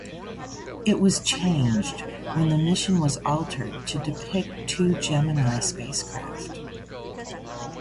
It was changed when the mission was altered to depict two Gemini spacecraft.